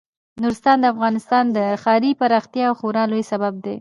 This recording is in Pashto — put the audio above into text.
نورستان د افغانستان د ښاري پراختیا یو خورا لوی سبب دی.